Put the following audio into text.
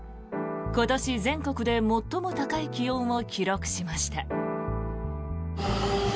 今年全国で最も高い気温を記録しました。